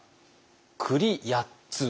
「栗八つ」。